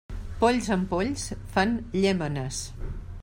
Polls amb polls, fan llémenes.